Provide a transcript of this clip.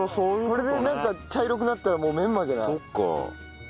これでなんか茶色くなったらもうメンマじゃない？